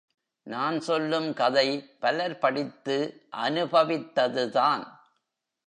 நான் சொல்லும் கதை பலர் படித்து அனுபவித்ததுதான்.